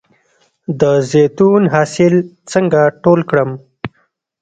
د زیتون حاصل څنګه ټول کړم؟